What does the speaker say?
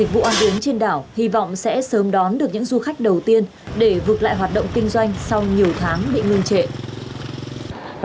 chuyến trên đảo hy vọng sẽ sớm đón được những du khách đầu tiên để vượt lại hoạt động kinh doanh sau nhiều tháng bị ngưng trễ